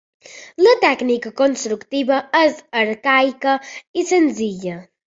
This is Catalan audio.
La tècnica constructiva és arcaica i senzilla.